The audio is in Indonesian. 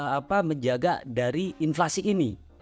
apa menjaga dari inflasi ini